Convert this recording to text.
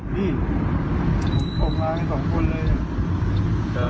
พี่ผมอบร้ายสองคนเลย